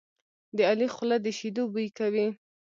د علي خوله د شیدو بوی کوي.